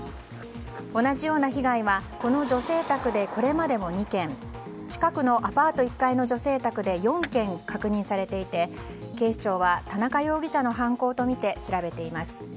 同じような被害はこの女性宅で、これまでも２件近くのアパート１階の女性宅で４件確認されていて警視庁は、田中容疑者の犯行とみて調べています。